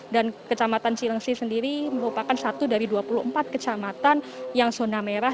dan kecamatan jelensi sendiri merupakan satu dari dua puluh empat kecamatan yang zona merah